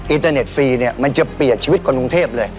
อินเตอร์เน็ตฟรีเนี่ยมันจะเปลี่ยนชีวิตคนกรุงเทพเลย